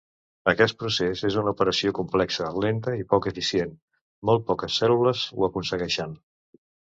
Aquest procés és una operació complexa, lenta i poc eficient; molt poques cèl·lules ho aconsegueixen.